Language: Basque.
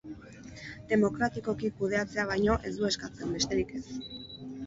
Demokratikoki kudeatzea baino ez du eskatzen, besterik ez.